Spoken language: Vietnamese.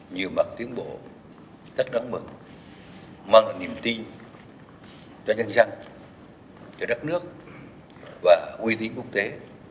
nhiều mặt tiến bộ rất đáng mừng mang lại niềm tin cho nhân dân cho đất nước và quy tín quốc tế